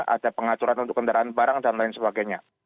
ada pengacuran untuk kendaraan barang dan lain sebagainya